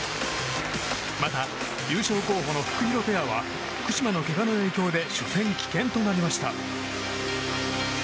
また、優勝候補のフクヒロペアは福島のけがの影響で初戦棄権となりました。